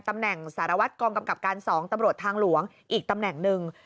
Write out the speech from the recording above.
ตำแหน่งสารวัตรกองกำกับการ๒ตำรวจทางหลวงอีกตำแหน่งหนึ่ง